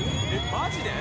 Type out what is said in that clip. マジで？